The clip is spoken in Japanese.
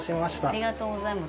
ありがとうございます。